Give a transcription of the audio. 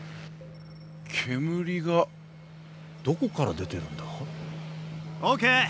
煙がどこから出てるんだ？ＯＫ！